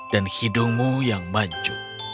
dan hidungmu yang mancuk